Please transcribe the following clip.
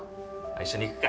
一緒に行くか？